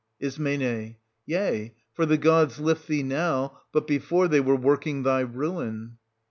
Is. Yea, for the gods lift thee now, but before they were working thy ruin.